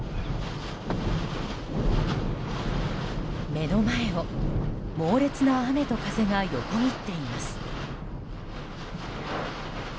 目の前を猛烈な雨と風が横切っています。